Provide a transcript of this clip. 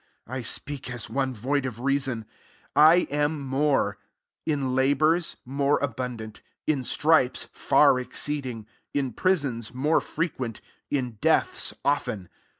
(I speak as one void of reason,) I am more; in labours, more abun dant; in stripes, far exceeding ; in prisons, more frequent ; in deaths, often.